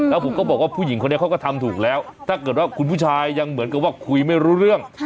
แล้วผมก็บอกว่าผู้หญิงคนนี้เขาก็ทำถูกแล้วถ้าเกิดว่าคุณผู้ชายยังเหมือนกับว่าคุยไม่รู้เรื่อง